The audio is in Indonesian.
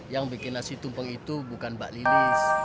yang bikin nasi tumpeng itu bukan mbak lilis